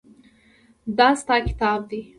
دا ستا کتاب دی.